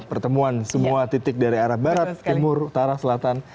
pertemuan semua titik dari arah barat timur utara selatan